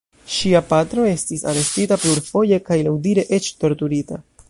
Ŝia patro estis arestita plurfoje kaj laŭdire eĉ torturita.